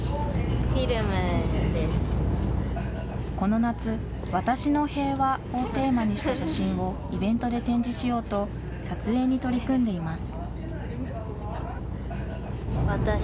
この夏、私のへいわをテーマにした写真をイベントで展示しようと、撮影に取り組んでいます。